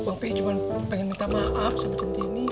bang pi cuma pengen minta maaf sama centini